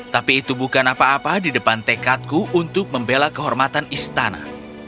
tapi itu bukan apa apa di depan tekadku untuk membela kehormatan istana